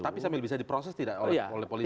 tapi sambil bisa diproses tidak oleh polisi